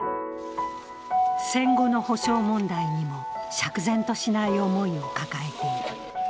戦後の補償問題にも釈然としない思いを抱えている。